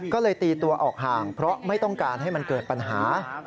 ก็เลยตีตัวออกห่างเพราะไม่ต้องการให้มันเกิดปัญหา